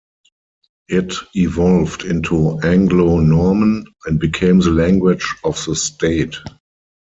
It evolved into Anglo-Norman and became the language of the state.